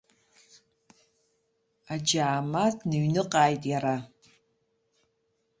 Аџьаама дныҩныҟааит иара.